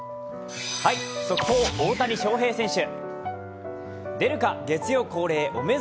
速報、大谷翔平選手。